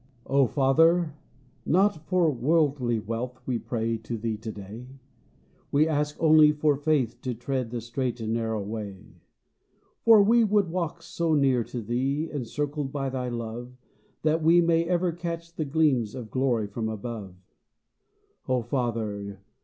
I FATHER ! not for worldly wealth We pray to Thee to day ; We only ask for faith to tread The straight and narrow way. For we would walk so near to Thee, Encircled by Thy love, That we may ever catch the gleams Of glory from above. O Father